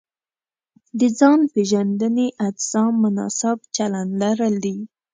د ځان پېژندنې اجزا مناسب چلند لرل دي.